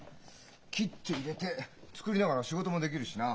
切って入れて作りながら仕事もできるしな。